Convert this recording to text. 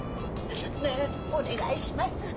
ねえお願いします！